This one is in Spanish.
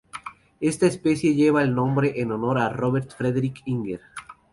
Esta especie lleva el nombre en honor a Robert Frederick Inger.